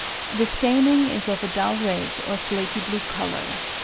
The staining is of a dull red or slaty blue colour.